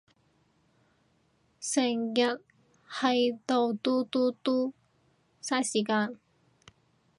成日係到嘟嘟嘟，晒時間